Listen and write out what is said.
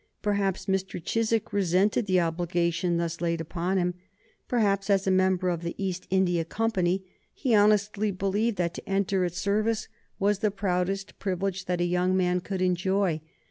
Perhaps Mr. Chiswick resented the obligation thus laid upon him; perhaps, as a member of the East India Company, he honestly believed that to enter its service was the proudest privilege that a young man could enjoy.